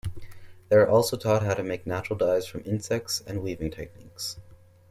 They are also taught how to make natural dyes from insects, and weaving techniques.